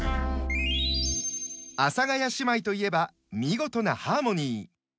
阿佐ヶ谷姉妹といえば見事なハーモニー。